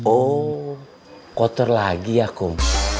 oh kotor lagi ya kum